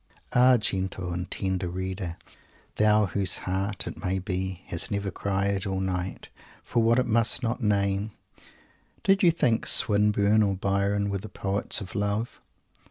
Ah, gentle and tender reader; thou whose heart, it may be has never cried all night for what it must not name, did you think Swinburne or Byron were the poets of "love"?